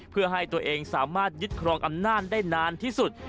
เพื่อให้ตัวเองสามารถยึดครองอำนาจได้นานที่สุด